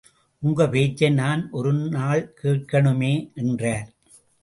உங்க பேச்சைநான் ஒரு நாள் கேட்கனுமே என்றார்.